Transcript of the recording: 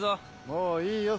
もういいよ